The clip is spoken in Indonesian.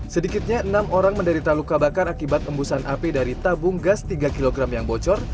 sedikitnya enam orang menderita luka bakar akibat embusan api dari tabung gas tiga kg yang bocor